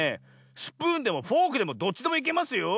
スプーンでもフォークでもどっちでもいけますよ。